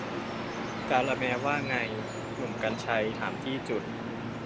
กาละแมร์ ว่าไง หนุ่ม กรรชัย ถามจี้จุด